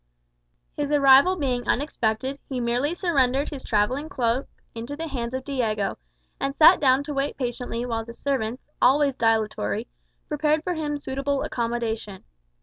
His arrival being unexpected, he merely surrendered his travelling cloak into the hands of Diego, and sat down to wait patiently while the servants, always dilatory, prepared for him suitable accommodation.